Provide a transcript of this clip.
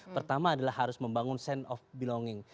pertama adalah harus membangun sense of belonging